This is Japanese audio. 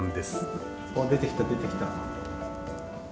わっ出てきた出てきた。